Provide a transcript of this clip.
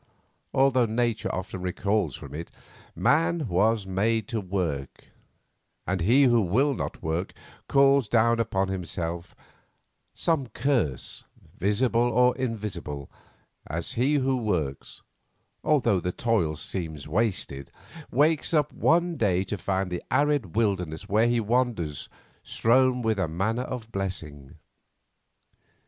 Although nature often recoils from it, man was made to work, and he who will not work calls down upon himself some curse, visible or invisible, as he who works, although the toil seem wasted, wakes up one day to find the arid wilderness where he wanders strown with a manna of blessing.